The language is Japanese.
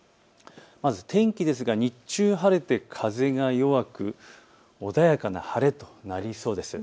まず天気ですが日中、晴れて風が弱く穏やかな晴れとなりそうです。